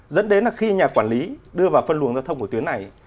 dẫn đến là khi nhà quản lý đưa vào phân luồng giao thông của tuyến này